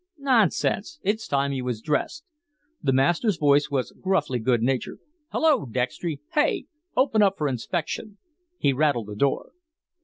"Nonsense; it's time he was dressed." The master's voice was gruffly good natured. "Hello, Dextry! Hey! Open up for inspection." He rattled the door.